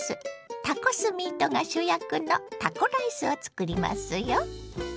タコスミートが主役のタコライスをつくりますよ。